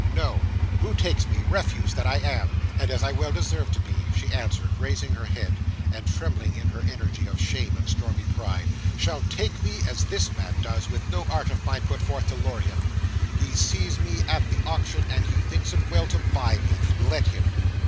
"No! Who takes me, refuse that I am, and as I well deserve to be," she answered, raising her head, and trembling in her energy of shame and stormy pride, "shall take me, as this man does, with no art of mine put forth to lure him. He sees me at the auction, and he thinks it well to buy me. Let him!